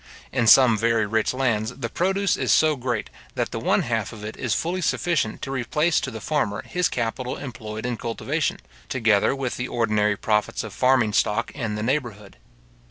In some very rich lands, the produce is so great, that the one half of it is fully sufficient to replace to the farmer his capital employed in cultivation, together with the ordinary profits of farming stock in the neighbourhood.